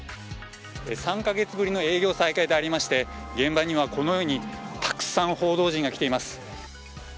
３か月ぶりの営業再開でありまして現場にはこのようにたくさん報道陣が来ています。